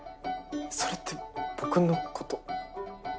それって僕のことを。